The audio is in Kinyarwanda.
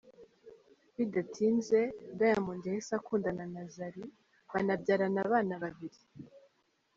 Bidatinze, Diamond yahise akundana na Zari banabyarana abana babiri.